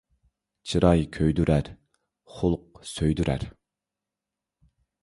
چىراي كۆيدۈرەر، خۇلق سۆيدۈرەر